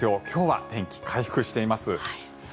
今日は天気、回復しています。